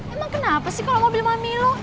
emang kenapa sih kalau mobil mami lo